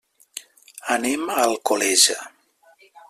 Anem a Alcoleja.